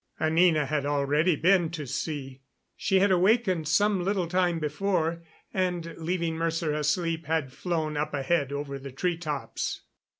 Anina had already been to see; she had awakened some little time before and, leaving Mercer asleep, had flown up ahead over the treetops.